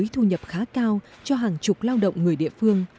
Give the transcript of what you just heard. thu nhập khá cao cho hàng chục lao động người địa phương